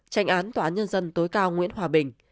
tranh án tòa án nhân dân tối cao nguyễn hòa bình